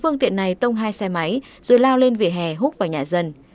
lấy tông hai xe máy rồi lao lên vỉa hè hút vào nhà dân